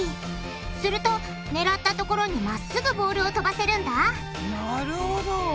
すると狙ったところにまっすぐボールをとばせるんだなるほど。